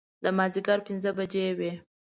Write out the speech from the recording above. د مازدیګر پنځه بجې وې.